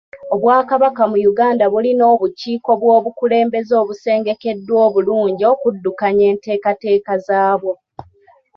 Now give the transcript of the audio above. Obwakabaka mu Uganda bulina obukiiko bw'obukulembeze obusengekeddwa obulungi okuddukanya enteekateeka zaabwo.